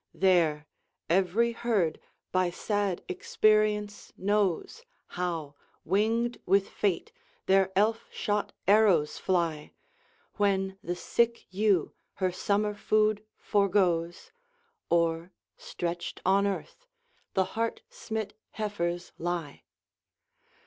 There every herd, by sad experience, knows How, winged with fate, their elf shot arrows fly; When the sick ewe her summer food foregoes, Or, stretched on earth, the heart smit heifers lie.